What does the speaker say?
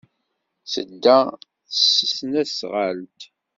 Tedda s tesnasɣalt.